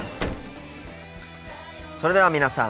それでは皆さん